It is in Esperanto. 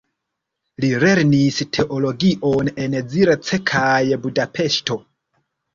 Li lernis teologion en Zirc kaj Budapeŝto.